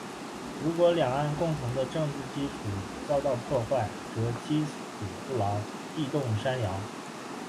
如果两岸共同的政治基础遭到破坏，则基础不牢，地动山摇。